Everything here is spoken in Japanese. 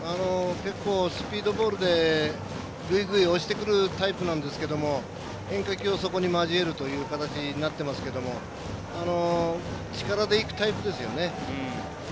結構、スピードボールでぐいぐい押してくるタイプなんですけど変化球をそこに交えるという形になっていますけど力でいくタイプですよね。